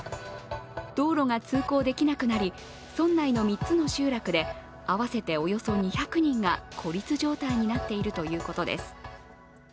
道路が通行できなくなり村内の３つの集落で合わせておよそ２００人が孤立状態になっているということです。